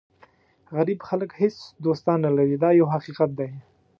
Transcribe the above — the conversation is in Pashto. غریب خلک هېڅ دوستان نه لري دا یو حقیقت دی.